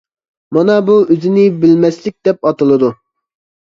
مانا بۇ ئۆزىنى بىلمەسلىك دەپ ئاتىلىدۇ .